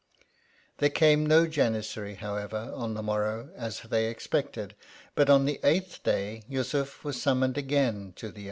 There came no janizary, however, on the morrow, as they expected ; but on the eighth day, Yussuf was summoned again to the